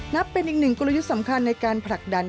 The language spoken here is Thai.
นับเป็นอีกหนึ่งกลยุทธ์สำคัญในการผลักดัน